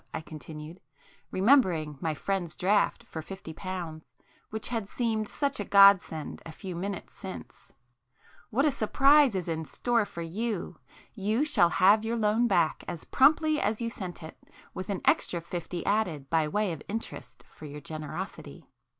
I continued, remembering my friend's draft for fifty pounds, which had seemed such a godsend a few minutes since—"What a surprise is in store for [p 14] you! You shall have your loan back as promptly as you sent it, with an extra fifty added by way of interest for your generosity.